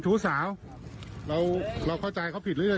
เขาหว่าเขาเราทำร้ายเขาถูกไหม